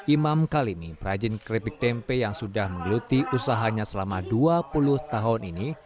imam kalimi rajin kredit tempe yang sudah mengeluti usahanya selama dua puluh tahun ini